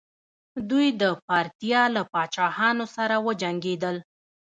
دوی د پارتیا له پاچاهانو سره وجنګیدل